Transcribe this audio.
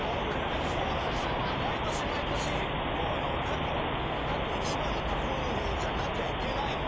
毎年毎年過去１番の花粉量じゃなきゃいけないのに。